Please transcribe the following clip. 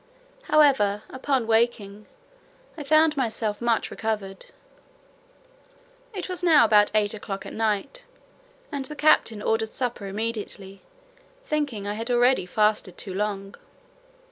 However, upon waking, I found myself much recovered. It was now about eight o'clock at night, and the captain ordered supper immediately, thinking I had already fasted too long.